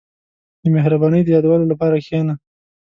• د مهربانۍ د یادولو لپاره کښېنه.